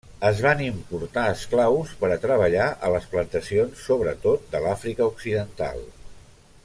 Es van importar esclaus per a treballar a les plantacions, sobretot de l'Àfrica Occidental.